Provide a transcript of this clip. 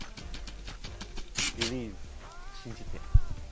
ビリーブ、信じて。